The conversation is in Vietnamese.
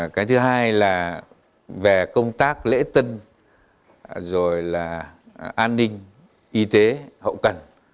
cái thứ hai là về công tác lễ tân rồi là an ninh y tế hậu cần